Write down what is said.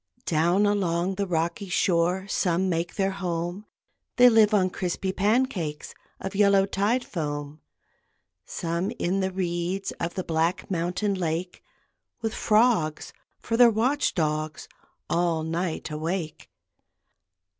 Down along the rocky shore Some make their home, They live on crispy pancakes Of yellow tide foam; Some in the reeds Of the black mountain lake, With frogs for their watch dogs, All night awake.